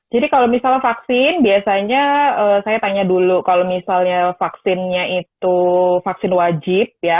jadi kalau misalnya vaksin biasanya saya tanya dulu kalau misalnya vaksinnya itu vaksin wajib ya